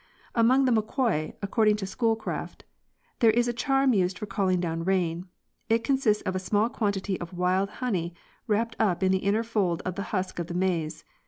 Among the Moqui, according to Schooleraft : There is acharm used for calling down rain. It consists of a small quantity of wild honey wrapped up in the inner fold of the husk of the maize.